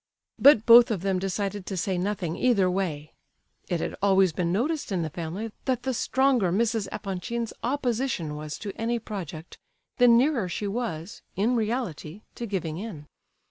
But both of them decided to say nothing either way. It had always been noticed in the family that the stronger Mrs. Epanchin's opposition was to any project, the nearer she was, in reality, to giving in.